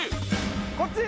こっち！